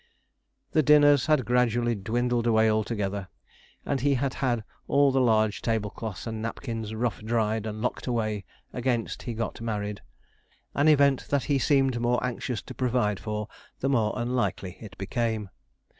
The dinners had gradually dwindled away altogether, and he had had all the large tablecloths and napkins rough dried and locked away against he got married; an event that he seemed more anxious to provide for the more unlikely it became.